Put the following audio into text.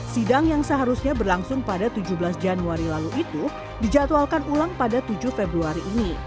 sidang yang seharusnya berlangsung pada tujuh belas januari lalu itu dijadwalkan ulang pada tujuh februari ini